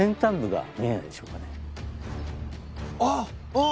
ああ！